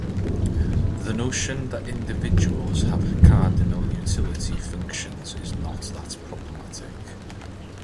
The notion that individuals have cardinal utility functions is not that problematic.